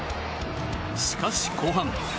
しかし、後半。